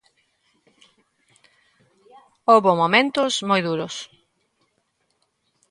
Houbo momentos moi duros.